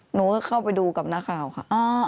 หนูก็เข้าไปดูกับนักข่าวค่ะ